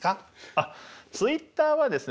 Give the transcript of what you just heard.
あっツイッターはですね